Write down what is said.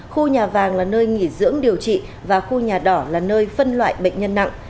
khu nhà vàng là nơi nghỉ dưỡng điều trị và khu nhà đỏ là nơi phân loại bệnh nhân nặng